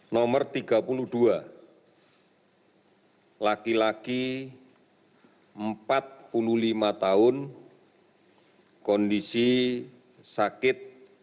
nomor tiga puluh dua laki laki empat puluh lima tahun kondisi sakit